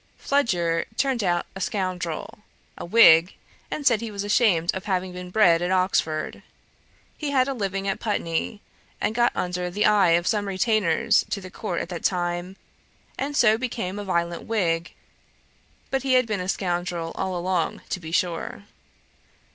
Fludyer turned out a scoundrel, a Whig, and said he was ashamed of having been bred at Oxford. He had a living at Putney, and got under the eye of some retainers to the court at that time, and so became a violent Whig: but he had been a scoundrel all along to be sure.'